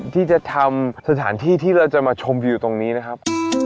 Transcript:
ที่จะทำสถานที่ที่เราจะมาชมอยู่ตรงนี้นะครับ